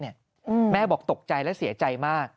แม่บอกตกใจและเสียใจมาก